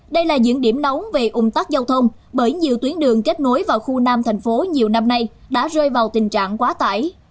đây là những điểm nóng về ung tắc giao thông bởi nhiều tuyến đường kết nối vào khu nam thành phố nhiều năm nay đã rơi vào tình trạng quá tải